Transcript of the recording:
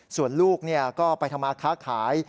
ส่วนลูกก็ไปทำมาค้าขาย